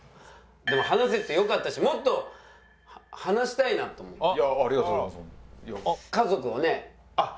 でも話せてよかったしもっと話したいなと思った。